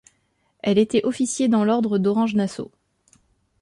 Elle était officier dans l'ordre d'Orange Nassau.